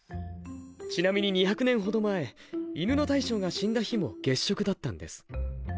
ちなみに２００年ほど前犬の大将が死んだ日も月蝕だったんです。